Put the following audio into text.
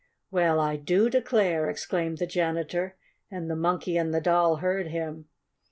"Well, I do declare!" exclaimed the janitor, and the Monkey and the Doll heard him.